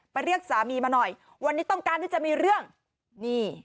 เรียกสามีมาหน่อยวันนี้ต้องการที่จะมีเรื่องนี่